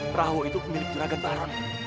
perahu itu milik juragan baaran